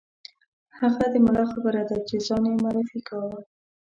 هغه د ملا خبره ده چې ځان یې معرفي کاوه.